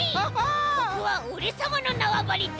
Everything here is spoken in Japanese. ここはおれさまのなわばりだ。